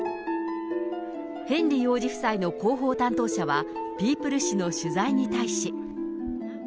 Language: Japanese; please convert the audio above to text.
ヘンリー王子夫妻の広報担当者は、ピープル誌の取材に対し。